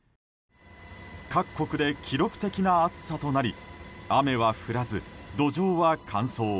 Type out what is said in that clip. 各国で記録的な暑さとなり雨は降らず、土壌は乾燥。